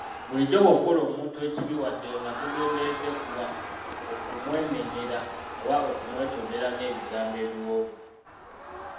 Bulijjo bw’okola omuntu ekibi wadde nga togenderedde fuba okumwemenyera oba okumwetondera n’ebigmbo ebiwooma.